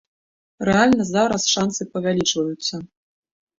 Рэальна зараз шанцы павялічваюцца.